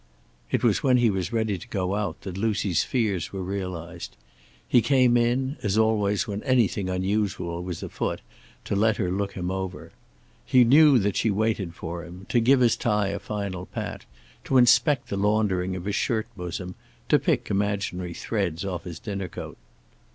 It was when he was ready to go out that Lucy's fears were realized. He came in, as always when anything unusual was afoot, to let her look him over. He knew that she waited for him, to give his tie a final pat, to inspect the laundering of his shirt bosom, to pick imaginary threads off his dinner coat.